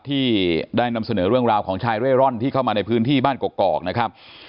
ที่ได้นำเสนอเรื่องราวของชายเร่ร่อนที่เข้ามาในพื้นที่บ้านกอกนะครับ